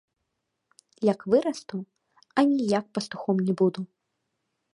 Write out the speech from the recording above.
Як вырасту, аніяк пастухом не буду!